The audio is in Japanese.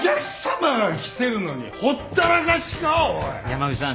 山口さん